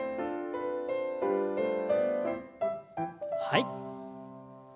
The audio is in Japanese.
はい。